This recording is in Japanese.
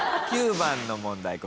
９番の問題